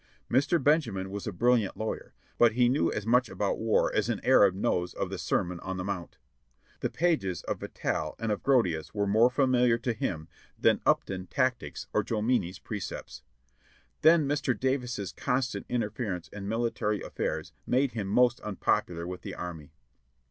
Mr. Benjamin was a brilliant lawyer, but he knew as much about war as an Arab knows of the Sermon on the Mount. The pages of Vattel and of Grotius were more familiar to him than Upton tactics or Jomini's precepts. Then Mr. Davis's constant interference in military affairs made him most unpopular with the Army.